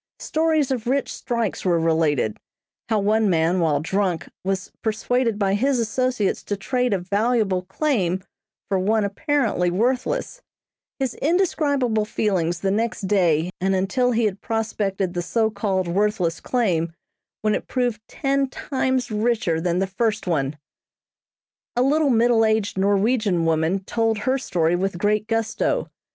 Stories of rich strikes were related; how one man, while drunk, was persuaded by his associates to trade a valuable claim for one apparently worthless; his indescribable feelings the next day and until he had prospected the so called worthless claim, when it proved ten times richer than the first one. [Illustration: FELLOW TRAVELERS.] A little middle aged Norwegian woman told her story with great gusto.